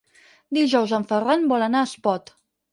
Dijous en Ferran vol anar a Espot.